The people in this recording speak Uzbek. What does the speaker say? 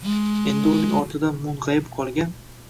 Endi uning ortidan mung’ayib qolgan